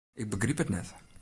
Ik begryp it net.